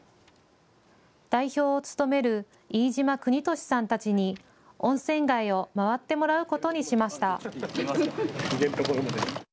代表を務める飯島邦敏さんたちに温泉街を回ってもらうことにしました。